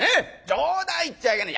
冗談言っちゃいけねえ。